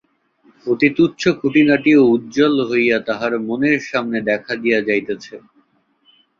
অতি তুচ্ছ খুঁটিনাটিও উজ্জ্বল হইয়া তাহার মনের সামনে দেখা দিয়া যাইতেছে।